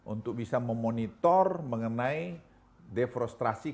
untuk bisa memonitor mengenai defrustrasi